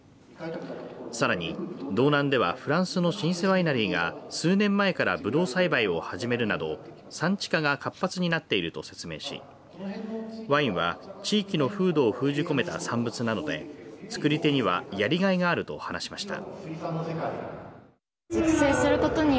さらに道南ではフランスの老舗ワイナリーが数年前からぶどう栽培を始めるなど産地化が活発になっていると説明しワインは地域の風土を封じ込めた産物なので造り手にはやりがいがあると話しました。